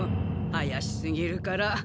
あやしすぎるから。